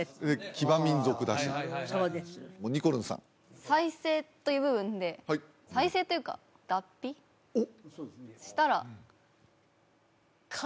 騎馬民族だしそうですにこるんさん再生という部分で再生というか脱皮したら蟹？